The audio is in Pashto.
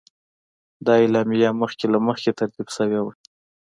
دا اعلامیه مخکې له مخکې ترتیب شوې وه.